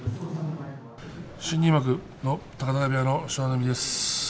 新入幕の高田川部屋の湘南乃海です。